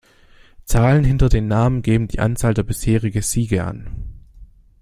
Zahlen hinter dem Namen geben die Anzahl der bisherigen Siege an